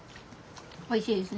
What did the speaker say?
おいしいですね。